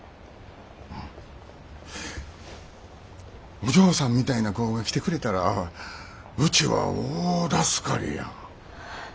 お嬢さんみたいな子が来てくれたらうちは大助かりや。